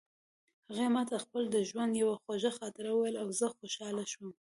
هغې ما ته د خپل ژوند یوه خوږه خاطره وویله او زه خوشحاله شوم